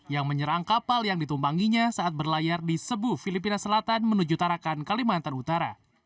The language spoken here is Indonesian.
yang menyerang kapal yang ditumpanginya saat berlayar di sebu filipina selatan menuju tarakan kalimantan utara